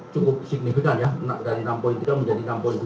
cukup signifikan ya dari enam tiga menjadi enam tiga